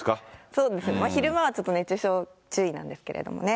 そうです、昼間はちょっと熱中症注意なんですけどもね。